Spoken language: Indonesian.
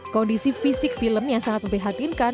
kondisi fisik film yang sangat memprihatinkan